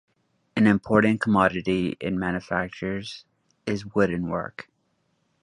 An important commodity it manufactures is wooden work.